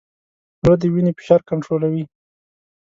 زړه د وینې فشار کنټرولوي.